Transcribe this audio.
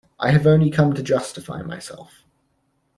I have only come to justify myself.